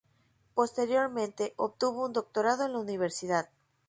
Posteriormente obtuvo un doctorado en la Universidad.